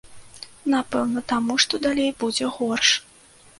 Напэўна, таму, што далей будзе горш.